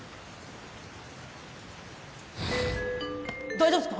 大丈夫っすか！？